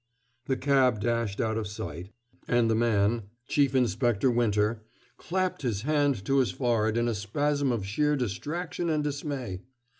The cab dashed out of sight, and the man Chief Inspector Winter clapped his hand to his forehead in a spasm of sheer distraction and dismay.